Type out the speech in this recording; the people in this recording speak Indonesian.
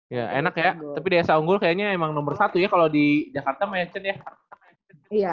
ya enak ya tapi di s a unggul kayaknya emang nomor satu ya kalo di jakarta menecen ya